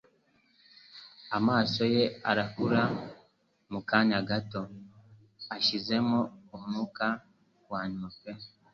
Amaso ye arakura mu kanya gato; yashizemo umwuka wanyuma pe